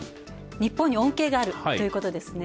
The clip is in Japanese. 日本に恩恵があるということですね。